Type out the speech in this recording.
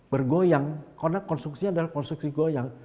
bergoyang karena konsumsi adalah konstruksi goyang